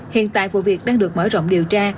hiện tại vụ việc đang được mở rộng điều tra